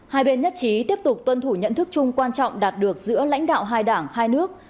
hai bên nhất trí tiếp tục tuân thủ nhận thức chung quan trọng đạt được giữa lãnh đạo hai đảng hai nước